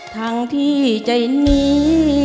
ทั้งที่ใจนี้